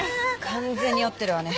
完全に酔ってるわね。